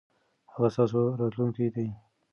هغه ستاسو راتلونکی دی.